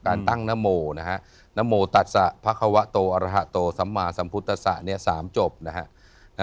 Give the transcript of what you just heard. การตั้งนโมนะฮะนโมตัสสะพระควะโตอรหะโตสัมมาสัมพุทธศะ๓จบนะฮะ